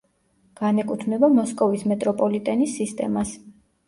განეკუთვნება მოსკოვის მეტროპოლიტენის სისტემას.